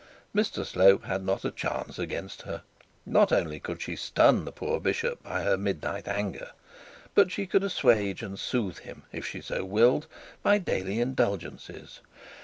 Mr Slope had not a chance against her; not only could she stun the poor bishop by her midnight anger, but she could assuage and soothe him, if she so willed by daily indulgences.